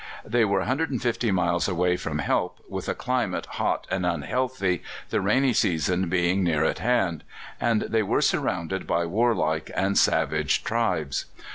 They were 150 miles away from help, with a climate hot and unhealthy, the rainy season being near at hand; and they were surrounded by warlike and savage tribes.